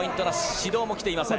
指導も来ていません。